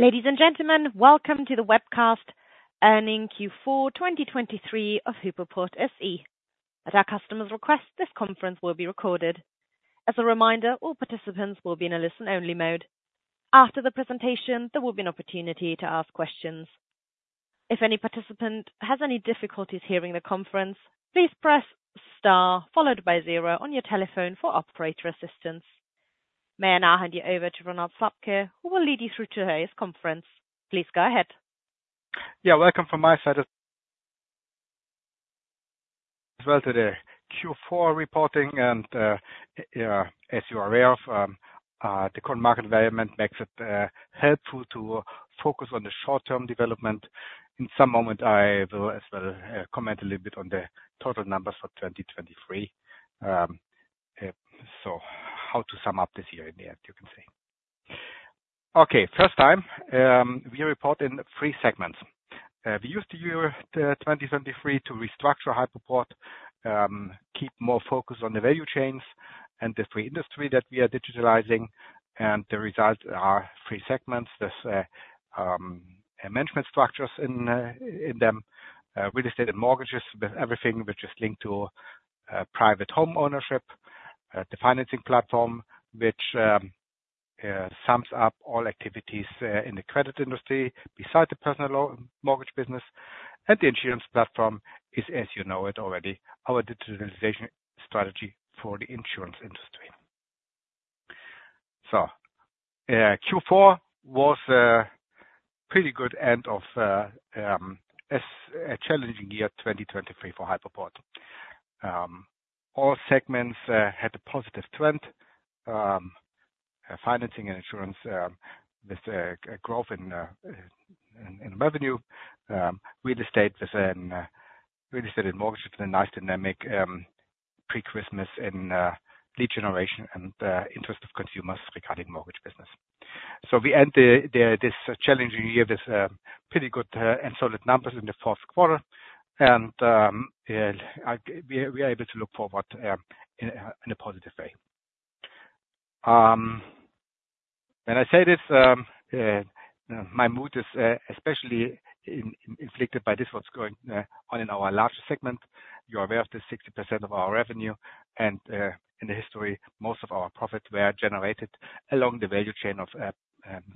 Ladies and gentlemen, welcome to the Webcast Earnings Q4 2023 of Hypoport SE. At our customer's request, this conference will be recorded. As a reminder, all participants will be in a listen-only mode. After the presentation, there will be an opportunity to ask questions. If any participant has any difficulties hearing the conference, please press star followed by zero on your telephone for operator assistance. May I now hand you over to Ronald Slabke, who will lead you through today's conference. Please go ahead. Yeah, welcome from my side as well to the Q4 reporting, and, as you are aware of, the current market environment makes it helpful to focus on the short-term development. In some moment, I will as well comment a little bit on the total numbers for 2023. So how to sum up this year in the end, you can say. Okay, first time, we report in three segments. We used the year 2023 to restructure Hypoport, keep more focus on the value chains and the three industry that we are digitalizing, and the results are three segments. There's management structures in them, real estate and mortgages, with everything which is linked to private homeownership. The financing platform, which sums up all activities in the credit industry beside the personal loan mortgage business. The insurance platform is, as you know it already, our digitalization strategy for the insurance industry. Q4 was a pretty good end of as a challenging year, 2023 for Hypoport. All segments had a positive trend, financing and insurance, with growth in revenue. Real estate and mortgages with a nice dynamic pre-Christmas and lead generation and interest of consumers regarding mortgage business. So we end this challenging year with pretty good and solid numbers in the fourth quarter. We are able to look forward in a positive way. When I say this, my mood is especially influenced by this what's going on in our large segment. You are aware of the 60% of our revenue and, in the history, most of our profits were generated along the value chain of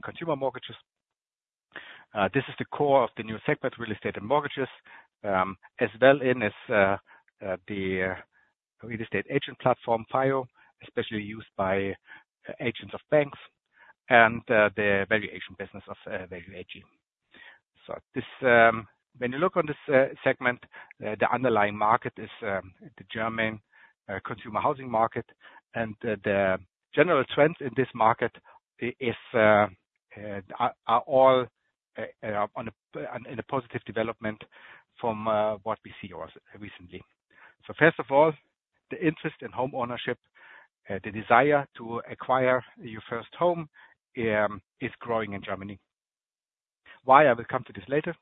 consumer mortgages. This is the core of the new segment, real estate and mortgages, as well as the real estate agent platform, FIO, especially used by agents of banks and the valuation business of Value AG. So this, when you look on this segment, the underlying market is the German consumer housing market. And the general trends in this market are all in a positive development from what we see also recently. So first of all, the interest in homeownership, the desire to acquire your first home, is growing in Germany. Why? I will come to this later.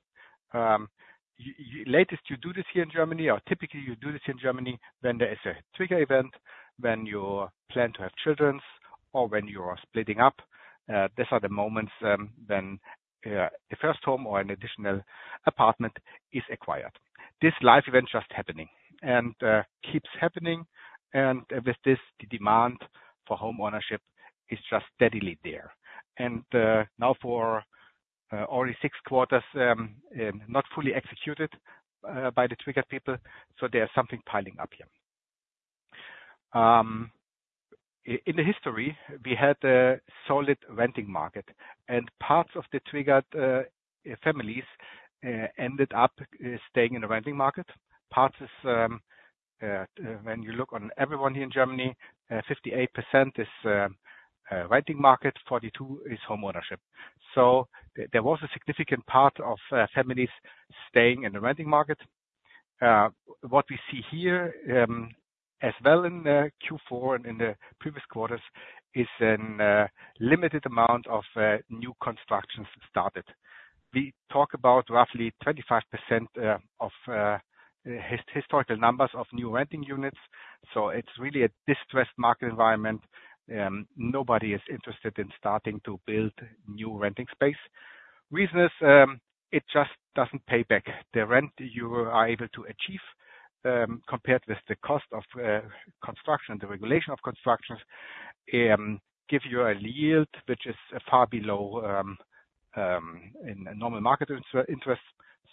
You usually do this here in Germany, or typically you do this in Germany, when there is a trigger event, when you plan to have children or when you are splitting up. These are the moments, when a first home or an additional apartment is acquired. This life event just happening and keeps happening. And now for already six quarters, not fully executed by the trigger people, so there is something piling up here. In the history, we had a solid renting market, and parts of the triggered families ended up staying in the renting market. Parts is when you look on everyone here in Germany, 58% is renting market, 42 is homeownership. So there was a significant part of families staying in the renting market. What we see here as well in Q4 and in the previous quarters is a limited amount of new constructions started. We talk about roughly 25% of historical numbers of new renting units, so it's really a distressed market environment. Nobody is interested in starting to build new renting space. Reason is it just doesn't pay back. The rent you are able to achieve, compared with the cost of construction, the regulation of constructions, give you a yield which is far below in a normal market interest.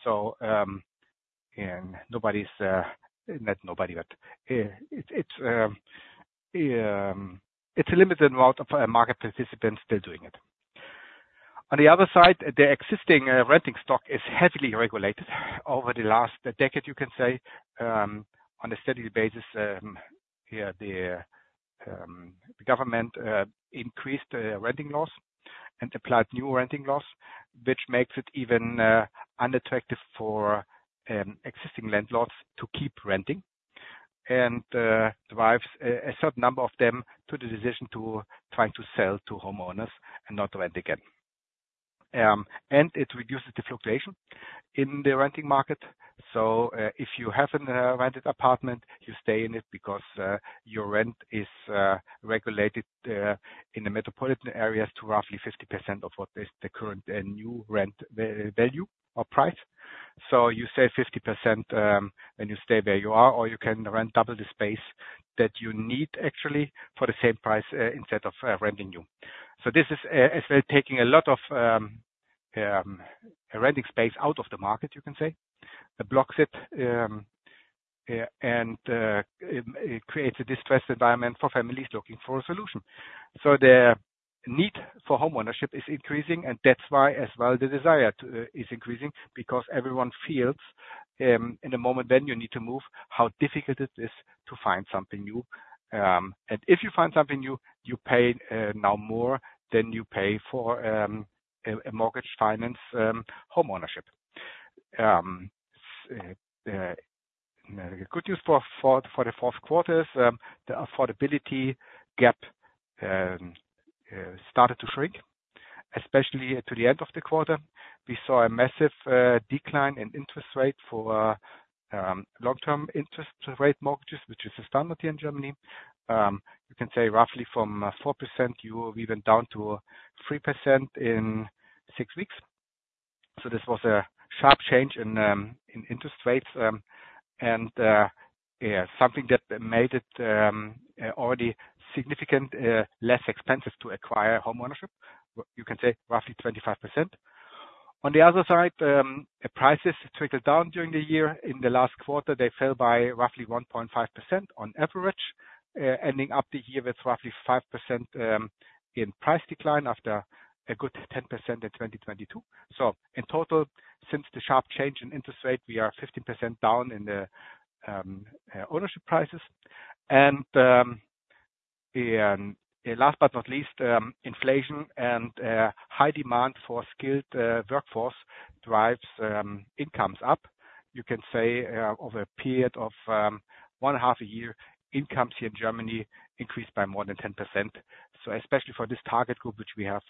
So, and nobody's not nobody, but it's a limited amount of market participants still doing it. On the other side, the existing renting stock is heavily regulated. Over the last decade, you can say, on a steady basis, the government increased renting laws and applied new renting laws, which makes it even unattractive for existing landlords to keep renting. And drives a certain number of them to the decision to trying to sell to homeowners and not to rent again. And it reduces the fluctuation in the renting market. So, if you have a rented apartment, you stay in it because your rent is regulated in the metropolitan areas to roughly 50% of what is the current and new rent value or price. So you save 50%, and you stay where you are, or you can rent double the space that you need, actually, for the same price, instead of renting new. So this is taking a lot of renting space out of the market, you can say. It blocks it, and it creates a distressed environment for families looking for a solution. So the need for homeownership is increasing, and that's why as well, the desire to is increasing because everyone feels, in the moment, then you need to move, how difficult it is to find something new. And if you find something new, you pay now more than you pay for a mortgage finance homeownership. Good news for the fourth quarter is the affordability gap started to shrink, especially to the end of the quarter. We saw a massive decline in interest rate for long-term interest rate mortgages, which is the standard here in Germany. You can say roughly from 4%, you went down to 3% in 6 weeks. So this was a sharp change in interest rates, and yeah, something that made it already significant less expensive to acquire homeownership. You can say roughly 25%. On the other side, prices trickled down during the year. In the last quarter, they fell by roughly 1.5% on average, ending up the year with roughly 5% in price decline after a good 10% in 2022. So in total, since the sharp change in interest rate, we are 15% down in the ownership prices. And last but not least, inflation and high demand for skilled workforce drives incomes up. You can say, over a period of half a year, incomes here in Germany increased by more than 10%. So especially for this target group, which we have,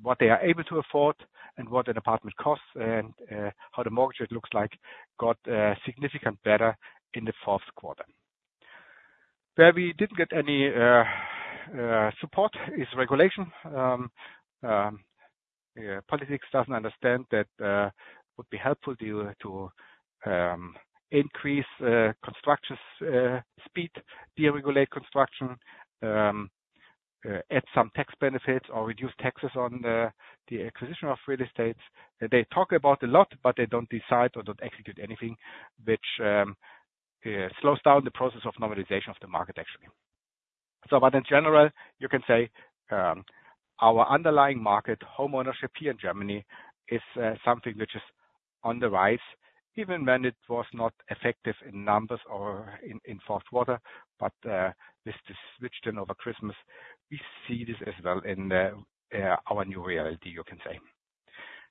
what they are able to afford and what an apartment costs and how the mortgage it looks like got significant better in the fourth quarter. Where we didn't get any support is regulation. Yeah, politics doesn't understand that would be helpful to increase construction speed, deregulate construction, add some tax benefits or reduce taxes on the acquisition of real estates. They talk about a lot, but they don't decide or don't execute anything, which slows down the process of normalization of the market, actually. But in general, you can say, our underlying market, homeownership here in Germany, is something which is on the rise, even when it was not effective in numbers or in fourth quarter, but this just switched in over Christmas. We see this as well in our new reality, you can say.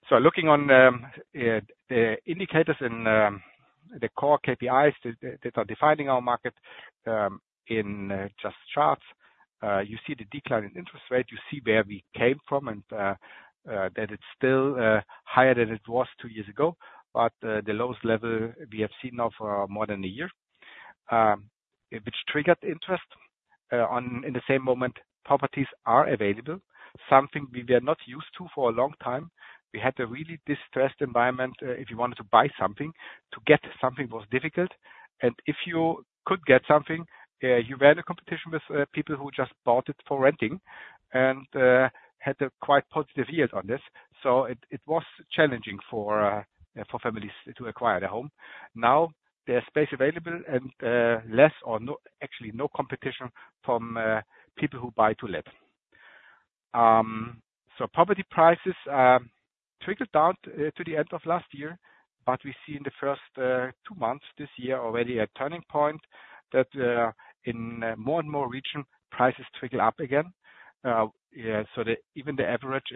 So looking at the indicators and the core KPIs that are defining our market, in just charts, you see the decline in interest rate, you see where we came from, and that it's still higher than it was two years ago, but the lowest level we have seen now for more than a year. Which triggered interest in the same moment, properties are available, something we were not used to for a long time. We had a really distressed environment if you wanted to buy something. To get something was difficult, and if you could get something, you were in a competition with people who just bought it for renting and had a quite positive yield on this. It was challenging for families to acquire their home. Now, there's space available and less or no, actually no competition from people who buy to let. So property prices trickled down to the end of last year, but we see in the first two months this year already a turning point that in more and more region prices trickle up again. Yeah, so even the average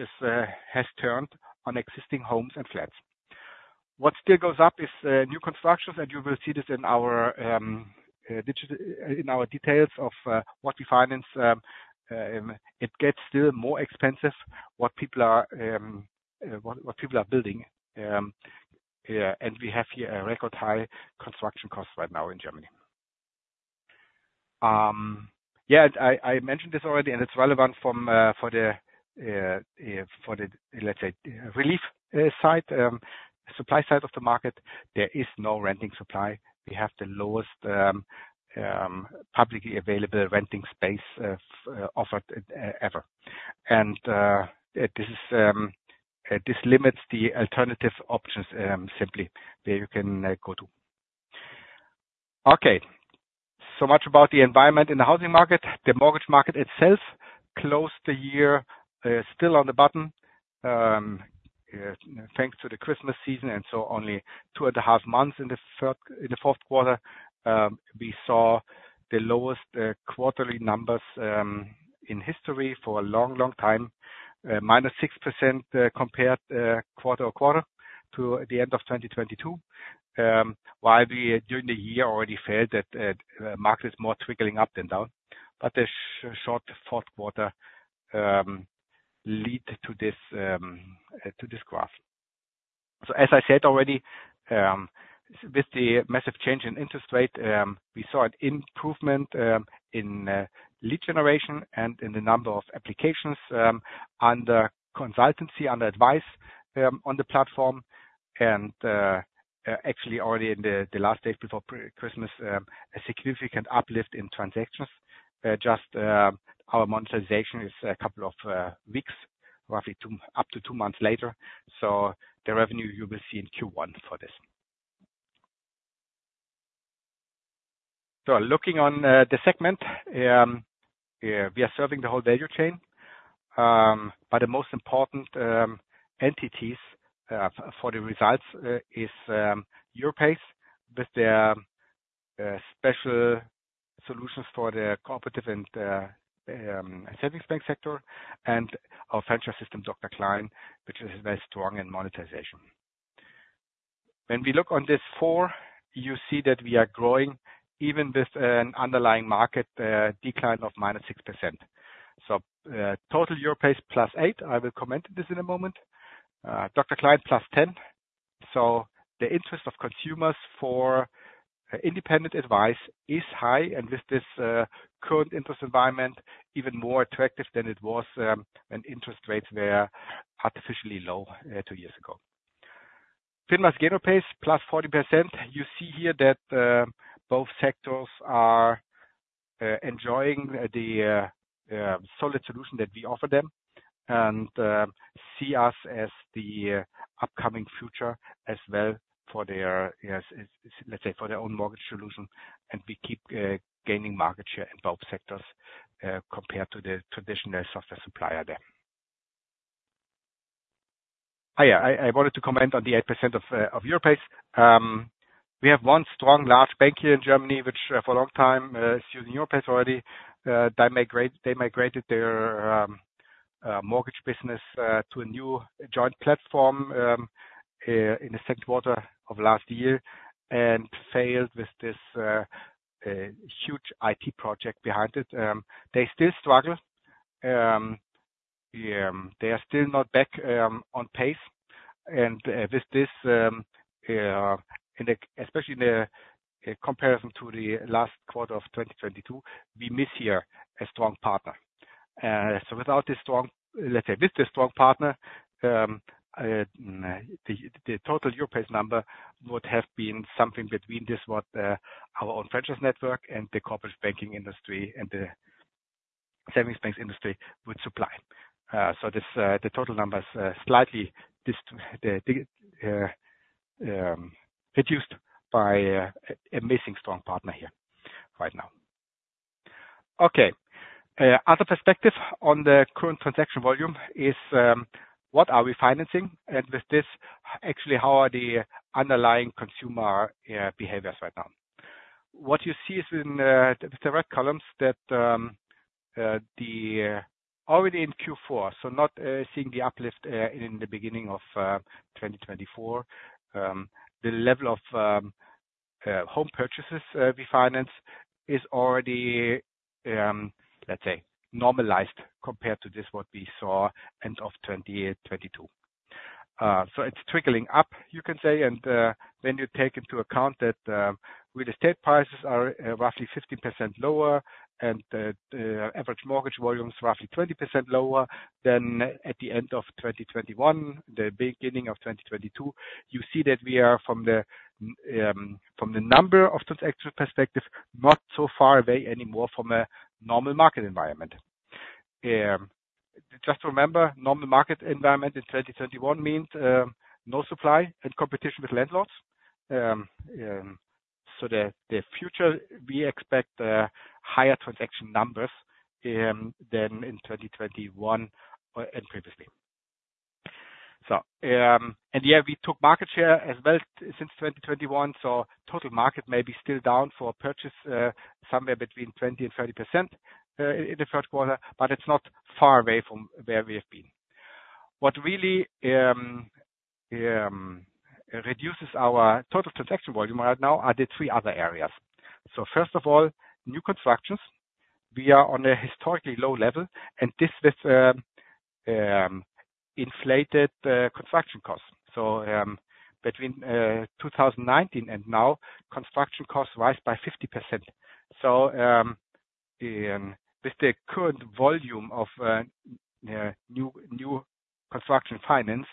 has turned on existing homes and flats. What still goes up is new constructions, and you will see this in our details of what we finance. It gets still more expensive what people are building. And we have here a record high construction cost right now in Germany. Yeah, I mentioned this already, and it's relevant for the, let's say, relief side, supply side of the market, there is no renting supply. We have the lowest publicly available renting space offered ever. And this limits the alternative options simply where you can go to. Okay, so much about the environment in the housing market. The mortgage market itself closed the year still on the button thanks to the Christmas season, and so only 2.5 months in the third - in the fourth quarter, we saw the lowest quarterly numbers in history for a long, long time. -6% compared quarter-to-quarter to the end of 2022. While we, during the year already felt that market is more trickling up than down, but the short fourth quarter led to this graph. So as I said already, with the massive change in interest rate, we saw an improvement in lead generation and in the number of applications under consultancy, under advice on the platform. And actually already in the last days before Christmas, a significant uplift in transactions. Just our monetization is a couple of weeks, roughly two, up to two months later. So the revenue you will see in Q1 for this. So looking on the segment, we are serving the whole value chain. But the most important entities for the results is Europace, with their special solutions for the cooperative and savings bank sector and our FINMAS, Dr. Klein, which is very strong in monetization. When we look on this four, you see that we are growing even with an underlying market decline of -6%. So total Europace +8%, I will comment this in a moment. Dr. Klein, +10%. So the interest of consumers for independent advice is high, and with this current interest environment even more attractive than it was when interest rates were artificially low two years ago. FINMAS' Europace, +40%. You see here that both sectors are enjoying the solid solution that we offer them, and see us as the upcoming future as well for their, yes, let's say, for their own mortgage solution, and we keep gaining market share in both sectors compared to the traditional software supplier there. I wanted to comment on the 8% of Europace. We have one strong large bank here in Germany, which for a long time is using Europace already. They migrated their mortgage business to a new joint platform in the second quarter of last year, and failed with this huge IT project behind it. They still struggle. They are still not back on pace. With this, especially in the comparison to the last quarter of 2022, we miss here a strong partner. So without this strong—let's say, with the strong partner, the total Europace number would have been something between this, what our own franchise network and the corporate banking industry and the savings banks industry would supply. So this, the total numbers slightly reduced by a missing strong partner here right now. Okay, other perspective on the current transaction volume is, what are we financing? With this, actually, how are the underlying consumer behaviors right now? What you see is in the red columns that already in Q4, so not seeing the uplift in the beginning of 2024. The level of home purchases we finance is already, let's say, normalized compared to what we saw end of 2022. So it's trickling up, you can say, and when you take into account that real estate prices are roughly 50% lower and the average mortgage volume is roughly 20% lower than at the end of 2021, the beginning of 2022. You see that we are from the number of transaction perspective, not so far away anymore from a normal market environment. Just remember, normal market environment in 2021 means no supply and competition with landlords. So the future, we expect higher transaction numbers than in 2021 and previously. So, and yeah, we took market share as well since 2021, so total market may be still down for purchase, somewhere between 20%-30%, in the first quarter, but it's not far away from where we have been. What really reduces our total transaction volume right now are the three other areas. So first of all, new constructions. We are on a historically low level, and this is inflated construction costs. So, with the current volume of new construction financed,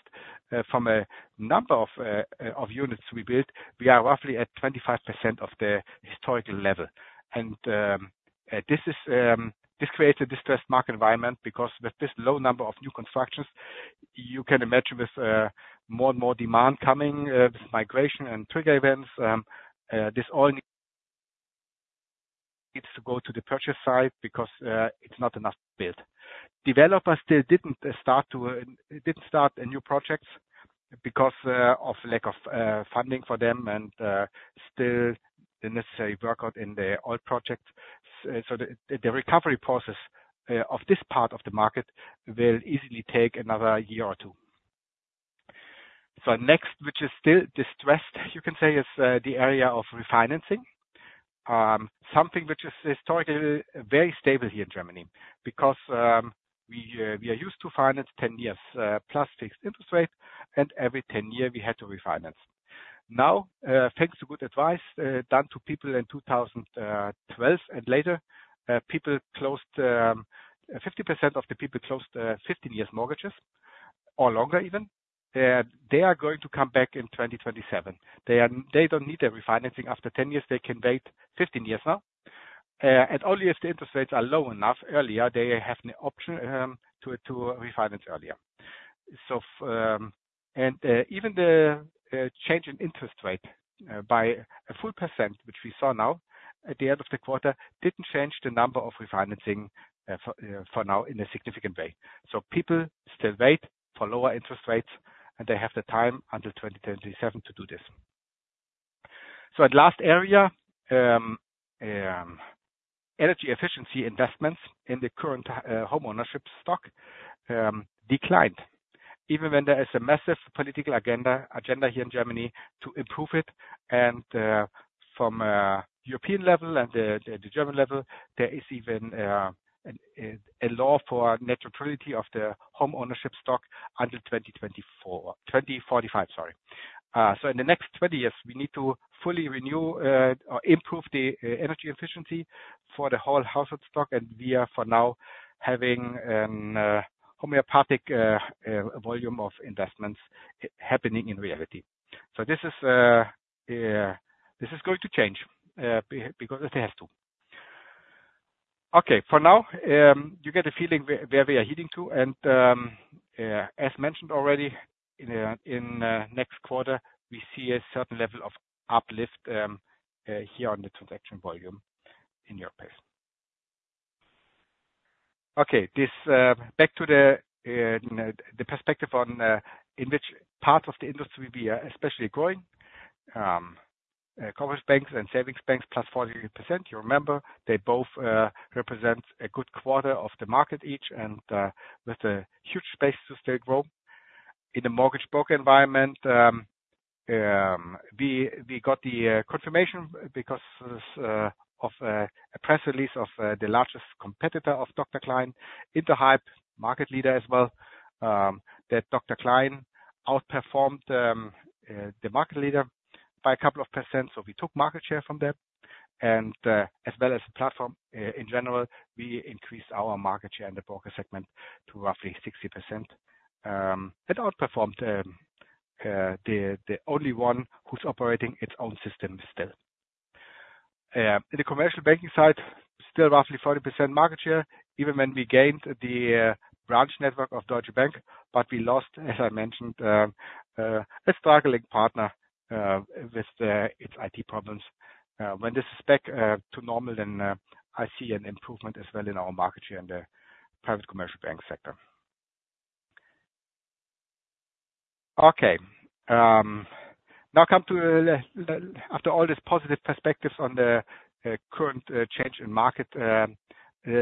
from a number of units we built, we are roughly at 25% of the historical level. This creates a distressed market environment because with this low number of new constructions, you can imagine with more and more demand coming with migration and trigger events, this all needs to go to the purchase side because it's not enough built. Developers still didn't start new projects because of lack of funding for them and still the necessary workout in the old projects. So the recovery process of this part of the market will easily take another year or two. So next, which is still distressed, you can say, is the area of refinancing. Something which is historically very stable here in Germany, because we are used to finance 10 years plus fixed interest rate, and every 10 years we had to refinance. Now, thanks to good advice done to people in 2012 and later, people closed 50% of the people closed 15 years mortgages or longer even. They are going to come back in 2027. They don't need a refinancing after 10 years, they can wait 15 years now. And only if the interest rates are low enough earlier, they have an option to refinance earlier. So, and even the change in interest rate by a full percent, which we saw now at the end of the quarter, didn't change the number of refinancing for now in a significant way. So people still wait for lower interest rates, and they have the time until 2027 to do this. So at last area, energy efficiency investments in the current homeownership stock declined. Even when there is a massive political agenda here in Germany to improve it. And from a European level and the German level, there is even a law for net neutrality of the homeownership stock under 2024, 2045, sorry. So in the next 20 years, we need to fully renew or improve the energy efficiency for the whole household stock, and we are for now having homeopathic volume of investments happening in reality. So this is going to change because it has to. Okay, for now, you get a feeling where we are heading to, and as mentioned already, in next quarter, we see a certain level of uplift here on the transaction volume in Europace. Okay, this back to the perspective on in which part of the industry we are especially growing. Commercial banks and savings banks, +48%. You remember, they both represent a good quarter of the market each, and with a huge space to still grow. In the mortgage broker environment, we got the confirmation because of a press release of the largest competitor of Dr. Klein, Interhyp, the market leader as well, that Dr. Klein outperformed the market leader by a couple of percent. So we took market share from them, and as well as the platform, in general, we increased our market share in the broker segment to roughly 60%, and outperformed the only one who's operating its own system still. In the commercial banking side, still roughly 40% market share, even when we gained the branch network of Deutsche Bank, but we lost, as I mentioned, a struggling partner with its IT problems. When this is back to normal, then I see an improvement as well in our market share in the private commercial bank sector. Okay, now come to after all these positive perspectives on the current change in market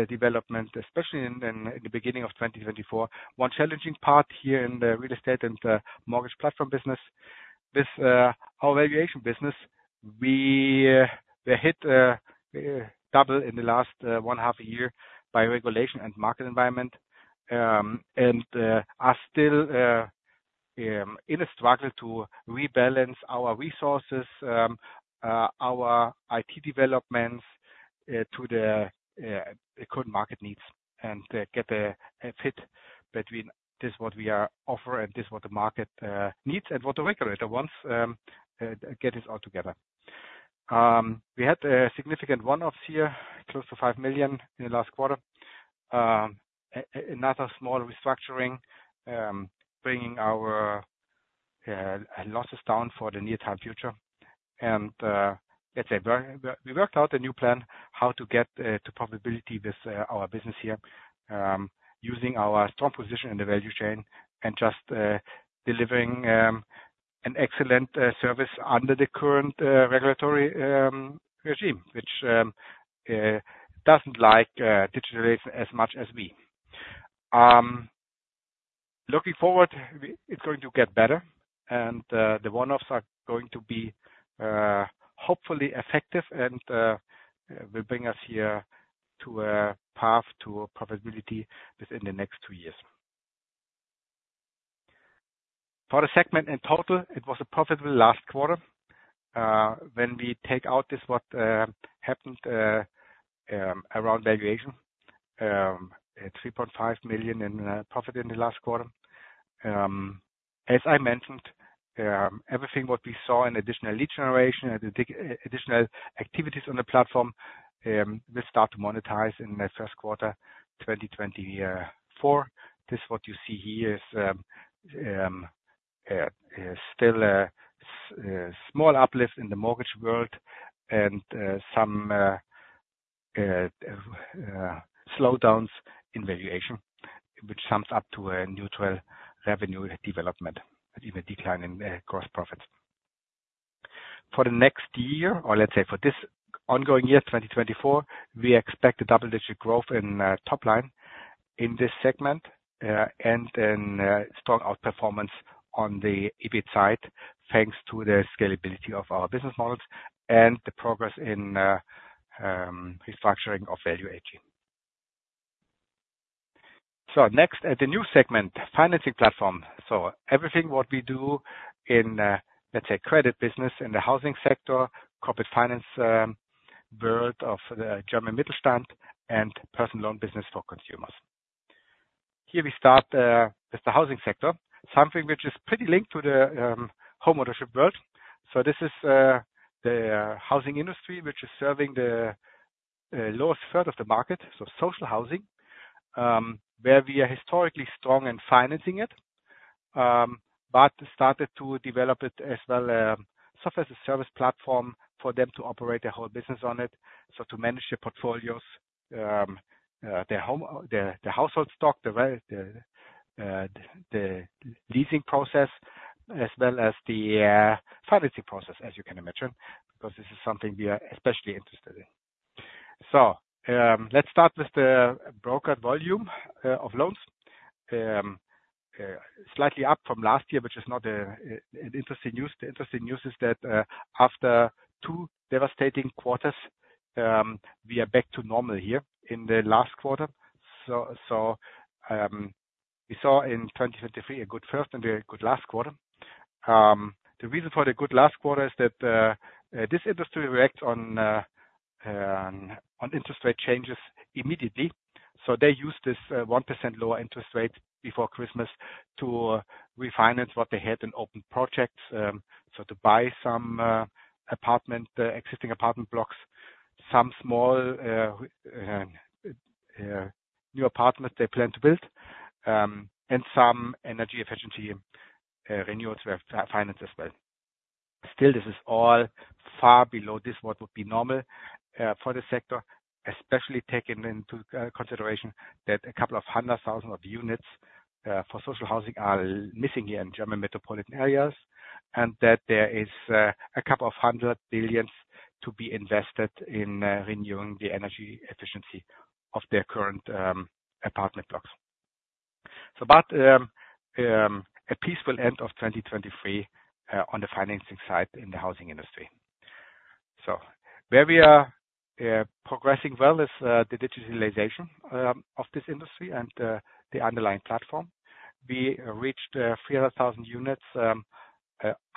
development, especially in then the beginning of 2024. One challenging part here in the real estate and mortgage platform business, with our valuation business, we hit double in the last half a year by regulation and market environment, and are still in a struggle to rebalance our resources, our IT developments, to the current market needs. Get a fit between what we are offering and what the market needs, and what the regulator wants, get this all together. We had a significant one-offs here, close to 5 million in the last quarter. Another small restructuring, bringing our losses down for the near-term future. Let's say, we worked out a new plan, how to get to profitability with our business here, using our strong position in the value chain and just delivering an excellent service under the current regulatory regime, which doesn't like digital race as much as we. Looking forward, it's going to get better, and the one-offs are going to be hopefully effective and will bring us here to a path to profitability within the next two years. For the segment in total, it was a profitable last quarter. When we take out this, what happened around valuation at 3.5 million in profit in the last quarter. As I mentioned, everything what we saw in additional lead generation and additional activities on the platform will start to monetize in the first quarter, 2024. This what you see here is still a small uplift in the mortgage world and some slowdowns in valuation, which sums up to a neutral revenue development, even a decline in gross profits. For the next year, or let's say for this ongoing year, 2024, we expect a double-digit growth in top line in this segment and then strong outperformance on the EBIT side, thanks to the scalability of our business models and the progress in restructuring of Value AG. So next, the new segment, financing platform. So everything what we do in, let's say, credit business in the housing sector, corporate finance, world of the German Mittelstand and personal loan business for consumers. Here we start with the housing sector, something which is pretty linked to the homeownership world. So this is the housing industry, which is serving the lowest third of the market. So social housing, where we are historically strong in financing it, but started to develop it as well, software as a service platform for them to operate their whole business on it. So to manage their portfolios, their household stock, the leasing process, as well as the financing process, as you can imagine, because this is something we are especially interested in. So, let's start with the broker volume of loans. Slightly up from last year, which is not an interesting news. The interesting news is that, after two devastating quarters, we are back to normal here in the last quarter. So, we saw in 2023, a good first and a good last quarter. The reason for the good last quarter is that, this industry react on interest rate changes immediately. So they used this 1% lower interest rate before Christmas to refinance what they had in open projects. So to buy some apartment existing apartment blocks, some small new apartments they plan to build, and some energy efficiency renewals we have financed as well. Still, this is all far below this, what would be normal, for the sector, especially taking into, consideration that a couple of hundred thousand units for social housing are missing here in German metropolitan areas, and that there is, a couple of hundred billion EUR to be invested in, renewing the energy efficiency of their current, apartment blocks. So but, a peaceful end of 2023, on the financing side in the housing industry. So where we are, progressing well is, the digitalization, of this industry and, the underlying platform. We reached, 300,000 units,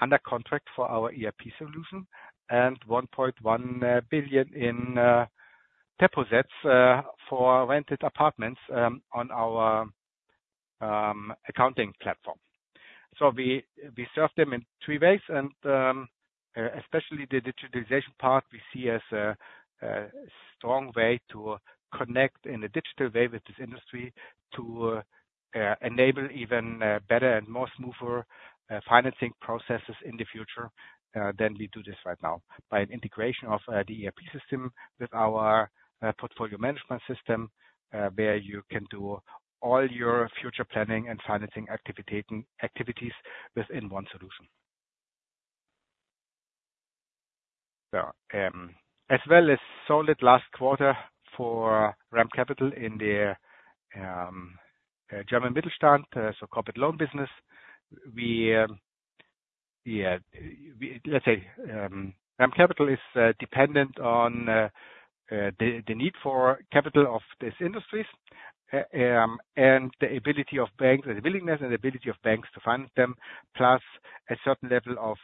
under contract for our ERP solution, and 1.1 billion in, deposits, for rented apartments, on our, accounting platform. So we serve them in three ways, and especially the digitalization part we see as a strong way to connect in a digital way with this industry to enable even better and more smoother financing processes in the future than we do this right now. By an integration of the ERP system with our portfolio management system where you can do all your future planning and financing activities within one solution. So as well as solid last quarter for REM CAPITAL in the German Mittelstand so corporate loan business. We, yeah, let's say, REM CAPITAL is dependent on the need for capital of these industries, and the ability of banks, the willingness and ability of banks to fund them, plus a certain level of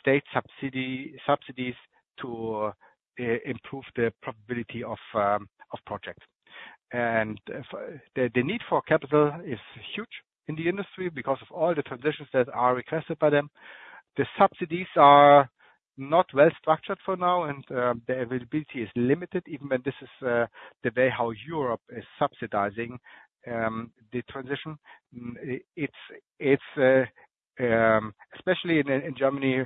state subsidy, subsidies to improve the probability of projects. The need for capital is huge in the industry because of all the transitions that are requested by them. The subsidies are not well structured for now, and the availability is limited, even when this is the way how Europe is subsidizing the transition. It's especially in Germany,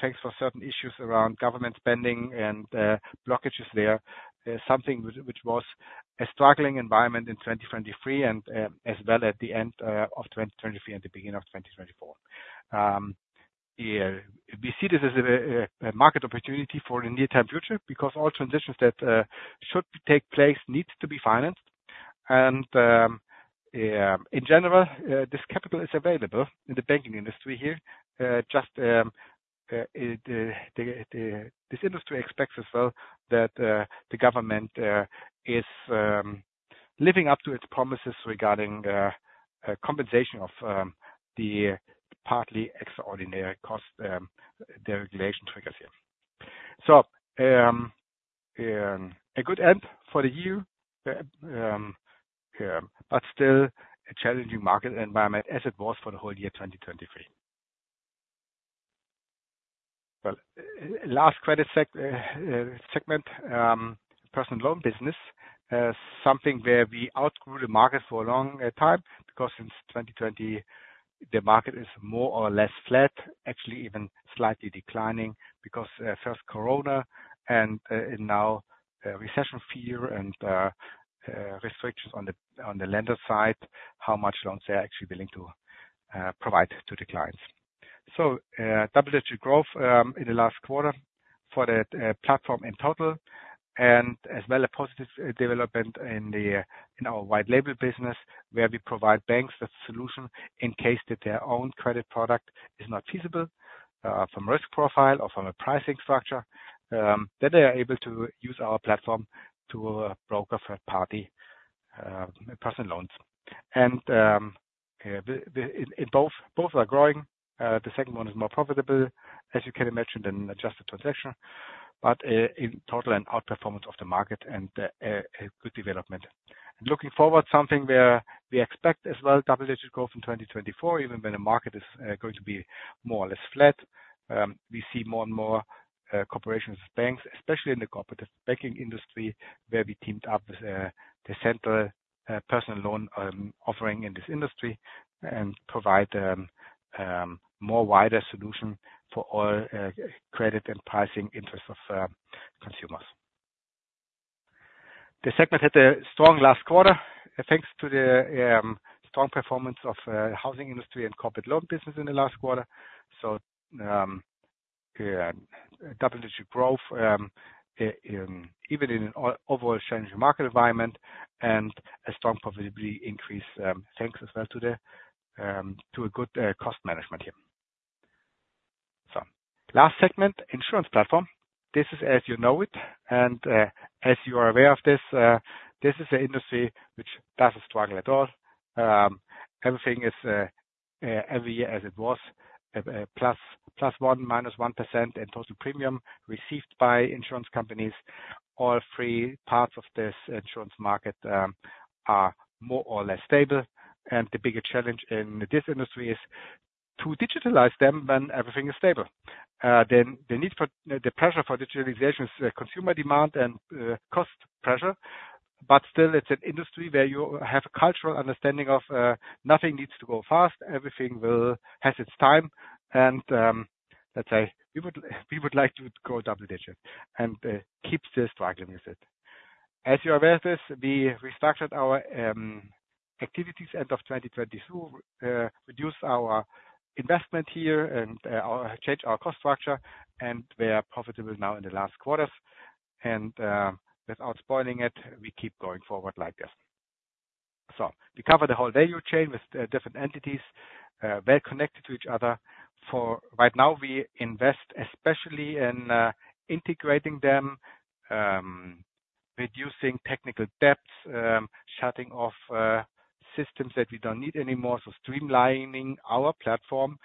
thanks to certain issues around government spending and blockages there, something which was a struggling environment in 2023 and as well at the end of 2023 and the beginning of 2024. We see this as a market opportunity for the near-term future because all transitions that should take place needs to be financed. And in general, this capital is available in the banking industry here, just this industry expects as well that the government is living up to its promises regarding compensation of the partly extraordinary cost, the regulation triggers here. So, a good end for the year, but still a challenging market environment as it was for the whole year, 2023. Well, last credit segment, personal loan business, something where we outgrew the market for a long time, because since 2020, the market is more or less flat, actually, even slightly declining, because first Corona and now recession fear and restrictions on the lender side, how much loans they are actually willing to provide to the clients. So, double-digit growth in the last quarter for the platform in total, and as well, a positive development in our white label business, where we provide banks with solution in case that their own credit product is not feasible, from risk profile or from a pricing structure, then they are able to use our platform to broker third-party personal loans. And, both are growing. The second one is more profitable, as you can imagine, than adjusted transaction, but in total and outperformance of the market and a good development. And looking forward, something where we expect as well, double-digit growth in 2024, even when the market is going to be more or less flat. We see more and more corporations, banks, especially in the corporate banking industry, where we teamed up with the central personal loan offering in this industry, and provide more wider solution for all credit and pricing interests of consumers. The segment had a strong last quarter, thanks to the strong performance of housing industry and corporate loan business in the last quarter. So, double-digit growth, even in an overall challenging market environment and a strong profitability increase, thanks as well to the to a good cost management here. So last segment, insurance platform. This is as you know it, and as you are aware of this, this is an industry which doesn't struggle at all. Everything is every year as it was, -1% in total premium received by insurance companies. All three parts of this insurance market are more or less stable, and the bigger challenge in this industry is to digitize them when everything is stable. Then the pressure for digitalization is consumer demand and cost pressure. But still, it's an industry where you have a cultural understanding of nothing needs to go fast, everything has its time, and let's say, we would like to go double-digit and keep struggling with it. As you're aware of this, we restructured our activities end of 2022. Reduced our investment here and changed our cost structure, and we are profitable now in the last quarters. Without spoiling it, we keep going forward like this. We cover the whole value chain with different entities well connected to each other. For right now, we invest, especially in integrating them, reducing technical debt, shutting off systems that we don't need anymore. So streamlining our platform,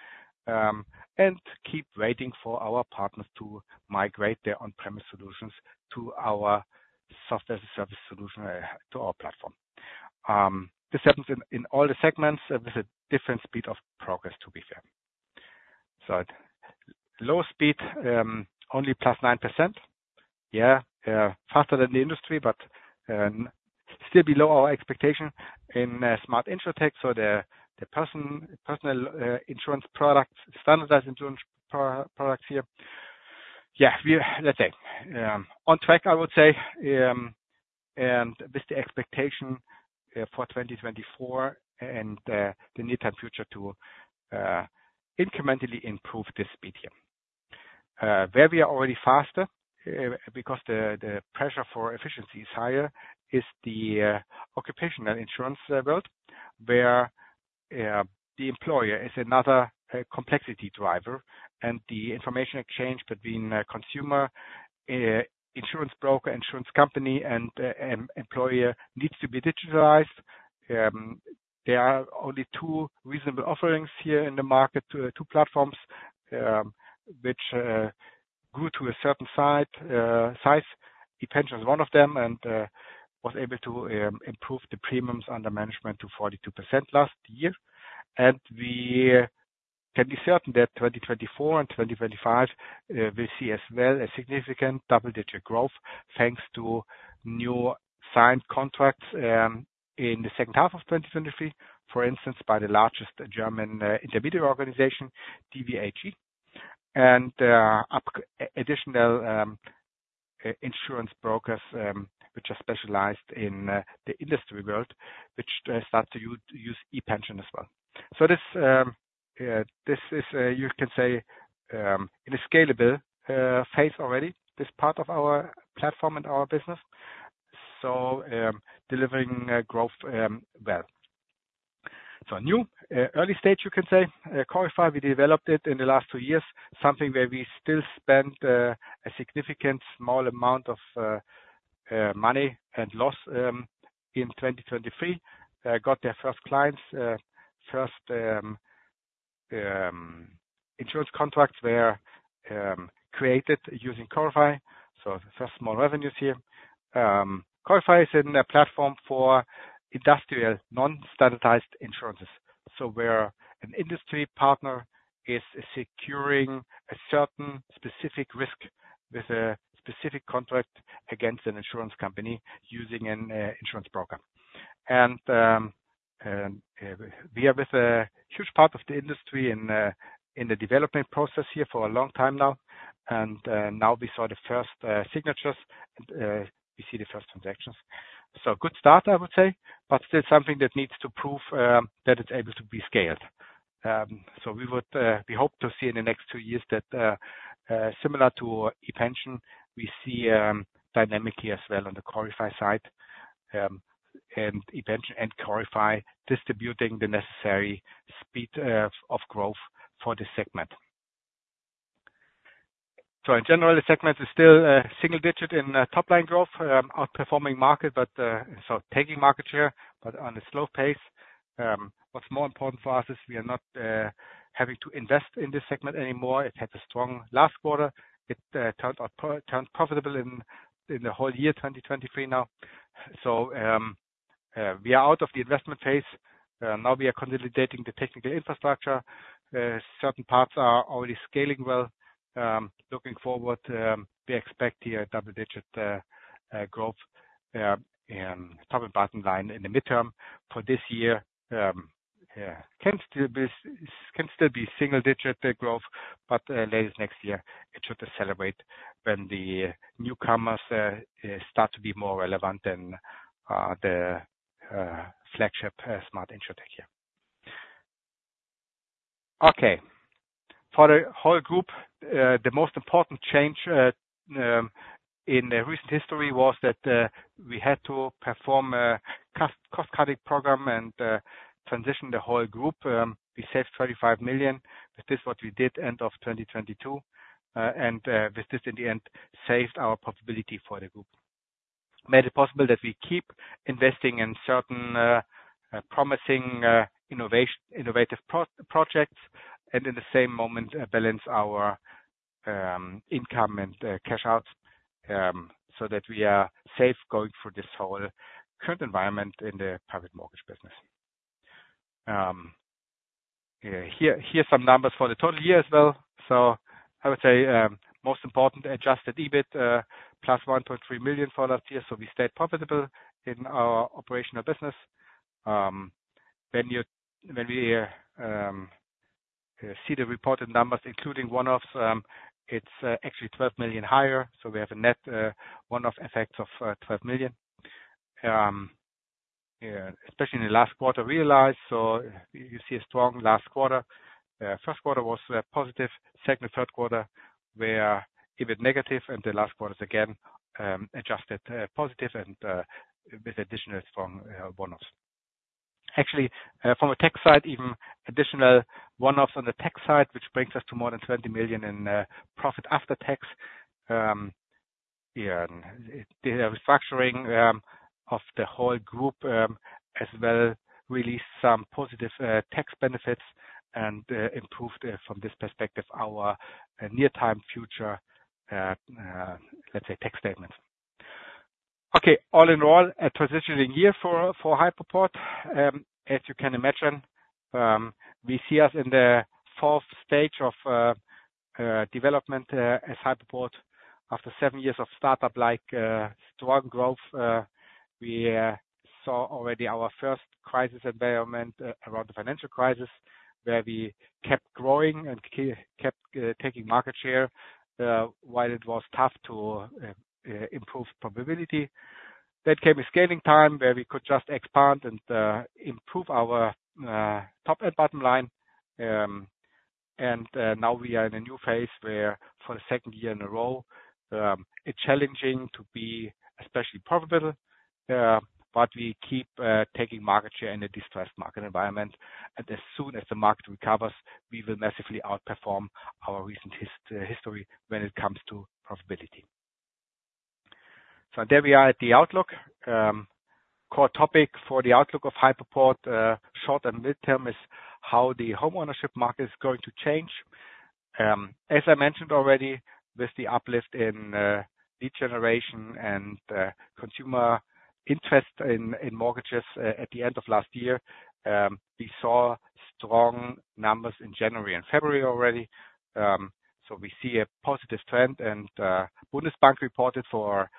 and keep waiting for our partners to migrate their on-premise solutions to our software service solution to our platform. This happens in all the segments with a different speed of progress, to be fair. So at low speed only +9%. Faster than the industry, but still below our expectation in Smart Insur. So the personal insurance products, standardized insurance products here. Yeah, we are, let's say, on track, I would say, and with the expectation for 2024 and the near-term future to incrementally improve this speed here. Where we are already faster because the pressure for efficiency is higher, is the occupational insurance world, where the employer is another complexity driver, and the information exchange between the consumer, insurance broker, insurance company, and employer needs to be digitalized. There are only two reasonable offerings here in the market, two platforms, which grew to a certain size. ePension is one of them, and was able to improve the premiums under management to 42% last year. We can be certain that 2024 and 2025, we see as well a significant double-digit growth, thanks to new signed contracts in the second half of 2023, for instance, by the largest German intermediary organization, DVAG. And additional insurance brokers, which are specialized in the industrial world, which start to use ePension as well. So this is, you can say, it is scalable phase already, this part of our platform and our business. So, delivering growth, well. So new early stage, you can say, Corify, we developed it in the last 2 years, something where we still spend a significant small amount of money and loss in 2023. Got their first clients, first insurance contracts were created using Corify, so first small revenues here. Corify is a platform for industrial, non-standardized insurances. So where an industry partner is securing a certain specific risk with a specific contract against an insurance company, using an insurance broker. And we are with a huge part of the industry in the development process here for a long time now. And now we saw the first signatures, and we see the first transactions. So good start, I would say, but still something that needs to prove that it's able to be scaled. So we would, we hope to see in the next two years that, similar to ePension, we see dynamically as well on the Corify side. And ePension and Corify distributing the necessary speed of growth for this segment. So in general, the segment is still single-digit in top-line growth, outperforming market, but so taking market share, but on a slow pace. What's more important for us is we are not having to invest in this segment anymore. It had a strong last quarter. It turned profitable in the whole year, 2023 now. So we are out of the investment phase. Now we are consolidating the technical infrastructure. Certain parts are already scaling well. Looking forward, we expect here double-digit growth in top- and bottom-line in the midterm for this year. It can still be single-digit growth, but at the latest next year, it should accelerate when the newcomers start to be more relevant than the flagship Smart Insur here. Okay. For the whole group, the most important change in the recent history was that we had to perform a cost-cutting program and transition the whole group. We saved 35 million. That is what we did end of 2022. And this in the end saved our profitability for the group. Made it possible that we keep investing in certain promising innovative projects, and in the same moment balance our income and cash outs so that we are safe going through this whole current environment in the private mortgage business. Here, here's some numbers for the total year as well. So I would say, most important, adjusted EBIT + 1.3 million for last year, so we stayed profitable in our operational business. When we see the reported numbers, including one-offs, it's actually 12 million higher. So we have a net one-off effect of 12 million. Especially in the last quarter realized, so you see a strong last quarter. First quarter was positive. Second and third quarter were a bit negative, and the last quarter is again adjusted positive and with additional strong one-offs. Actually, from a tax side, even additional one-offs on the tax side, which brings us to more than 20 million in profit after tax. Yeah, the restructuring of the whole group as well released some positive tax benefits and improved from this perspective our near-time future, let's say, tax statements. Okay. All in all, a transitioning year for Hypoport. As you can imagine, we see us in the fourth stage of development as Hypoport. After seven years of startup-like strong growth, we saw already our first crisis environment around the financial crisis, where we kept growing and kept taking market share while it was tough to improve profitability. That came with scaling time, where we could just expand and improve our top and bottom line. Now we are in a new phase where for the second year in a row, it's challenging to be especially profitable, but we keep taking market share in the distressed market environment. And as soon as the market recovers, we will massively outperform our recent history when it comes to profitability. So there we are at the outlook. Core topic for the outlook of Hypoport, short and midterm, is how the homeownership market is going to change. As I mentioned already, with the uplift in lead generation and consumer interest in mortgages at the end of last year, we saw strong numbers in January and February already. So we see a positive trend, and Bundesbank reported for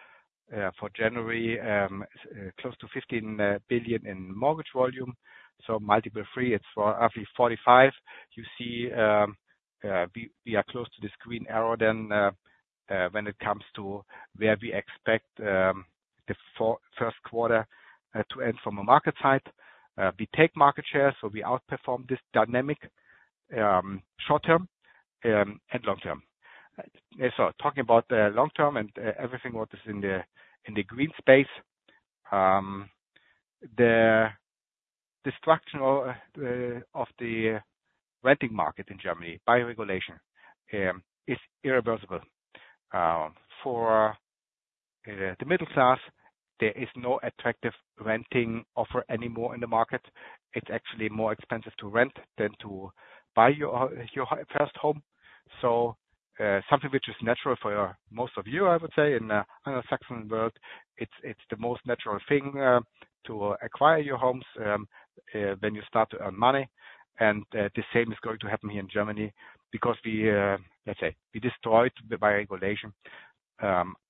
January, close to 15 billion in mortgage volume. So multiple three, it's for roughly 45. You see, we are close to this green arrow than when it comes to where we expect the first quarter to end from a market side. We take market share, so we outperform this dynamic, short-term, and long-term. And so talking about the long term and everything what is in the green space, the destruction of the renting market in Germany by regulation is irreversible. For the middle class, there is no attractive renting offer anymore in the market. It's actually more expensive to rent than to buy your first home. So, something which is natural for most of you, I would say, in Anglo-Saxon world, it's the most natural thing to acquire your homes when you start to earn money. And the same is going to happen here in Germany because we, let's say, we destroyed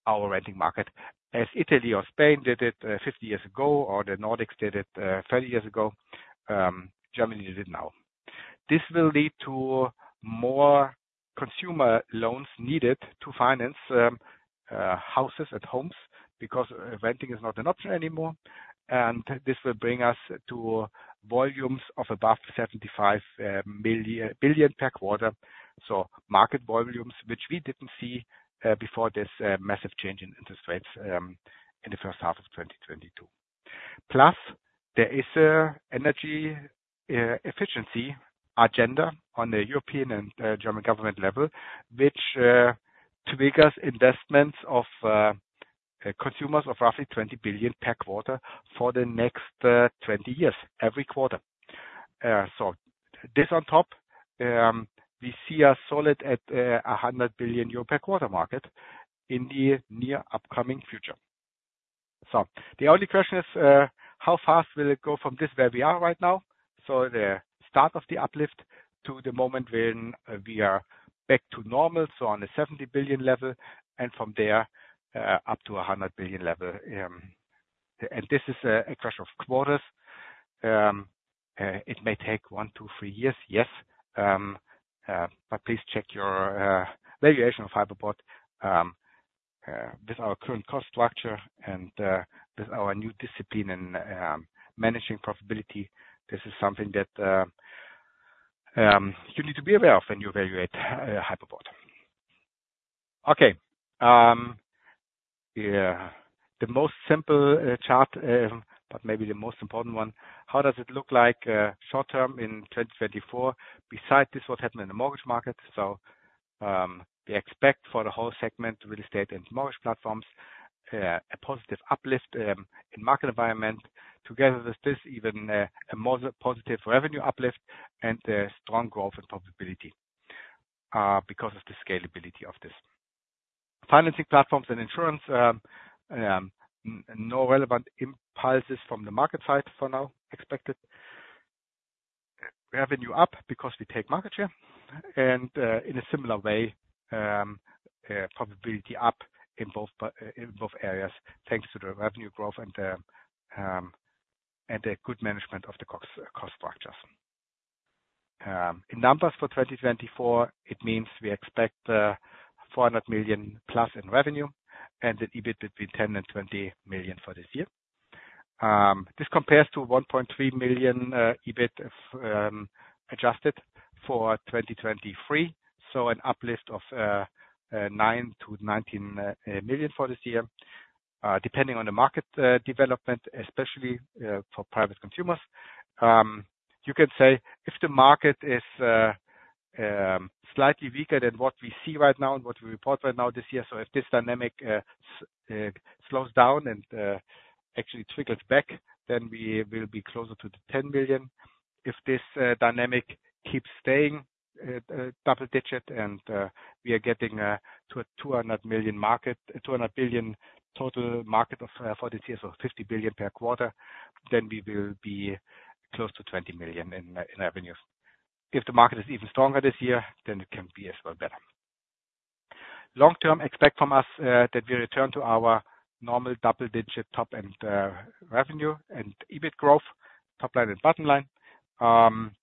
our renting market, as Italy or Spain did it, 50 years ago, or the Nordics did it, 30 years ago, Germany did it now. This will lead to more consumer loans needed to finance houses and homes because renting is not an option anymore. And this will bring us to volumes of above 75 billion per quarter. So market volumes, which we didn't see, before this massive change in interest rates in the first half of 2022. Plus, there is a energy efficiency agenda on the European and German government level, which triggers investments of consumers of roughly 20 billion per quarter for the next 20 years, every quarter. So this on top, we see a solid at a 100 billion euro per quarter market in the near upcoming future. So the only question is, how fast will it go from this where we are right now? So the start of the uplift to the moment when we are back to normal, so on a 70 billion level and from there up to a 100 billion level. And this is a question of quarters. It may take 1-3 years. Yes, but please check your valuation of Hypoport. with our current cost structure and with our new discipline and managing profitability, this is something that you need to be aware of when you evaluate Hypoport. Okay, yeah, the most simple chart but maybe the most important one: How does it look like short term in 2024? Besides this, what happened in the mortgage market. So, we expect for the whole segment, real estate and mortgage platforms, a positive uplift in market environment. Together with this, even a more positive revenue uplift and a strong growth and profitability because of the scalability of this. Financing platforms and insurance, no relevant impulses from the market side for now expected. Revenue up because we take market share, and, in a similar way, profitability up in both areas, thanks to the revenue growth and, and a good management of the cost structures. In numbers for 2024, it means we expect 400 million+ in revenue and an EBIT between 10 million and 20 million for this year. This compares to 1.3 million EBIT, adjusted for 2023, so an uplift of 9-19 million for this year, depending on the market development, especially for private consumers. You can say if the market is slightly weaker than what we see right now and what we report right now this year, so if this dynamic slows down and actually trickles back, then we will be closer to 10 million. If this dynamic keeps staying double-digit and we are getting to a 200 million market, 200 billion total market for this year, so 50 billion per quarter, then we will be close to 20 million in revenues. If the market is even stronger this year, then it can be as well better. Long-term, expect from us that we return to our normal double-digit top and revenue and EBIT growth, top line and bottom line.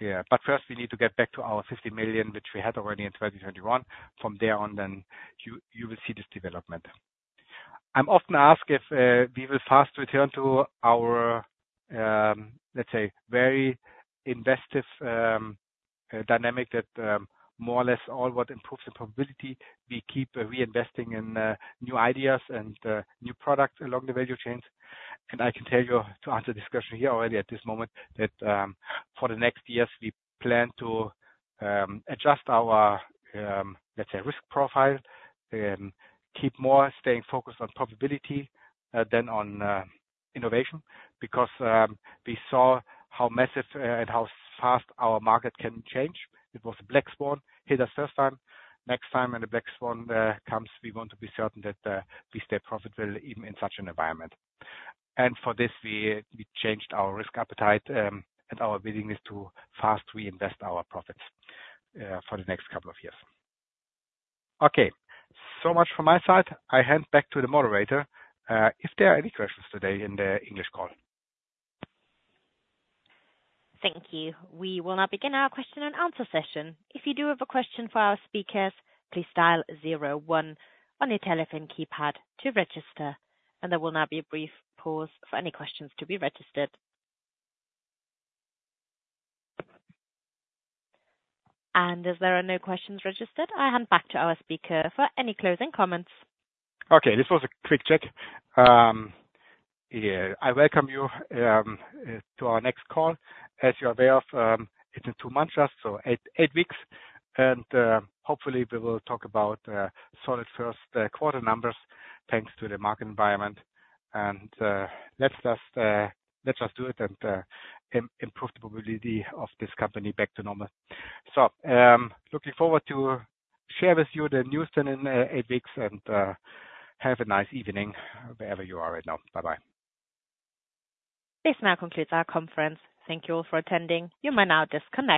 Yeah, but first we need to get back to our 50 million, which we had already in 2021. From there on, then you will see this development. I'm often asked if we will fast return to our, let's say, very investive, dynamic, that more or less all what improves the profitability. We keep reinvesting in new ideas and new products along the value chains. And I can tell you to answer this question here already at this moment, that for the next years, we plan to adjust our, let's say, risk profile, keep more staying focused on profitability than on innovation. Because we saw how massive and how fast our market can change. It was a black swan hit us first time. Next time, when the black swan comes, we want to be certain that we stay profitable even in such an environment. And for this, we changed our risk appetite, and our willingness to fast reinvest our profits, for the next couple of years. Okay, so much from my side. I hand back to the moderator, if there are any questions today in the English call. Thank you. We will now begin our question-and-answer session. If you do have a question for our speakers, please dial zero one on your telephone keypad to register, and there will now be a brief pause for any questions to be registered. As there are no questions registered, I hand back to our speaker for any closing comments. Okay. This was a quick check. I welcome you to our next call. As you're aware of, it's in two months, so eightthe weeks, and hopefully we will talk about solid first quarter numbers, thanks to the market environment. And let's just do it and improve the profitability of this company back to normal. So, looking forward to share with you the news then in eight weeks, and have a nice evening, wherever you are right now. Bye-bye. This now concludes our conference. Thank you all for attending. You may now disconnect.